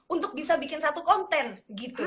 untuk bisa bikin satu konten gitu